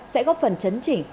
sẽ góp phần chấn chỉnh